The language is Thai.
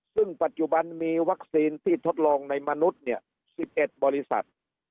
ซึ่งปัจจุบันมีวัคซีนที่ทดลองในมนุษย์๑๑บริษัท